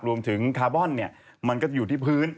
คาร์บอนเนี่ยมันก็จะอยู่ที่พื้น